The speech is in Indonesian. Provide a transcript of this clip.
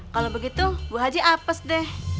kalau begitu bu haji apes deh